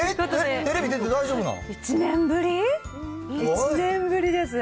テレビ出て大丈夫なの？